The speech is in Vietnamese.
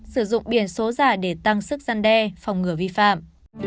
sử dụng biển số giả để tăng sức gian đe phòng ngừa vi phạm